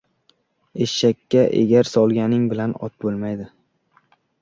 • Eshakka egar solganing bilan, ot bo‘lolmaydi.